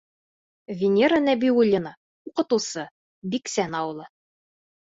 Венера НӘБИУЛЛИНА, уҡытыусы, Биксән ауылы: